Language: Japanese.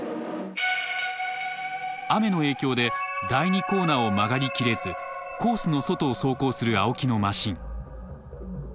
雨の影響で第２コーナーを曲がりきれずコースの外を走行する青木のマシン。